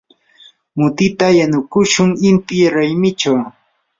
mutita yanukushun inti raymichaw.